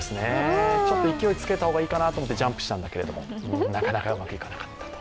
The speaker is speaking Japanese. ちょっと勢いつけた方がいいかなと思ってジャンプしたんだけどもなかなかうまくいかなかったと。